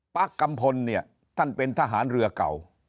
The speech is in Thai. กัมพลเนี่ยท่านเป็นทหารเรือเก่า